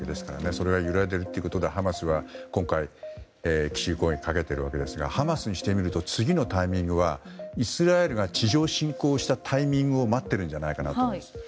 それが揺らいでいるということが今回、奇襲攻撃をかけているわけですがハマスにしてみると次のタイミングはイスラエルが地上侵攻したタイミングを待ってるんじゃないかと思います。